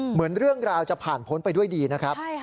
เหมือนเรื่องราวจะผ่านพ้นไปด้วยดีนะครับ